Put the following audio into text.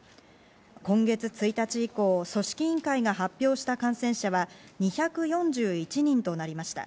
今月１日以降、組織委員会が発表した感染者は２４１人となりました。